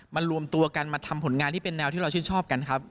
รวมตัวกันมาทำผลงานที่เป็นแนวที่เราชื่นชอบกันครับ